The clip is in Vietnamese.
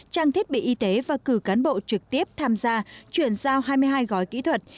trang thiết bị y tế và cử cán bộ trực tiếp tham gia chuyển giao hai mươi hai gói kỹ thuật